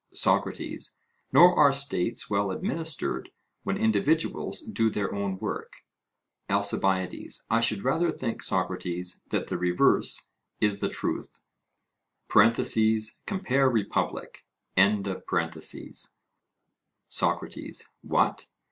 SOCRATES: Nor are states well administered, when individuals do their own work? ALCIBIADES: I should rather think, Socrates, that the reverse is the truth. (Compare Republic.) SOCRATES: What!